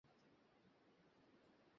তোমার হ্যাট টা পছন্দ হয়েছে।